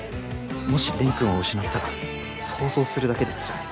もし蓮くんを失ったら想像するだけでつらい。